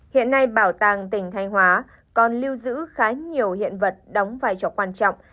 hiện nay bảo tàng tỉnh thanh hóa còn lưu giữ khá nhiều hiện vật đóng vai trò quan trọng